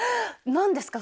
何ですか？